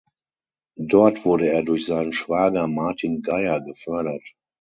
Dort wurde er durch seinen Schwager Martin Geier gefördert.